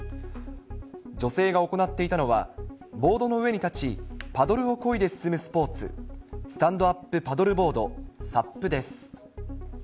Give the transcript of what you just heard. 女性が行っていたのは、ボードの上に立ち、パドルをこいで進むスポーツ、スタンドアップパドルボード・サップです。